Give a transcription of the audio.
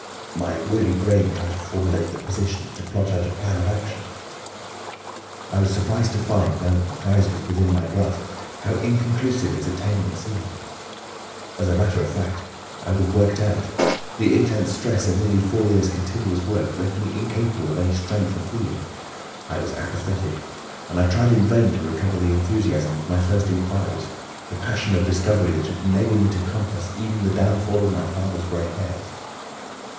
My weary brain tried to formulate the position, to plot out a plan of action. "I was surprised to find, now that my prize was within my grasp, how inconclusive its attainment seemed. As a matter of fact I was worked out; the intense stress of nearly four years' continuous work left me incapable of any strength of feeling. I was apathetic, and I tried in vain to recover the enthusiasm of my first inquiries, the passion of discovery that had enabled me to compass even the downfall of my father's grey hairs.